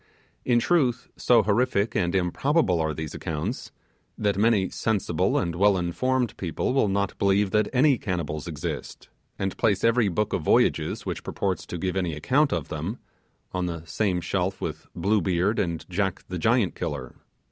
In truth, so horrific and improbable are these accounts, that many sensible and well informed people will not believe that any cannibals exist; and place every book of voyages which purports to give any account of them, on the same shelf with Blue Beard and Jack the Giant Killer.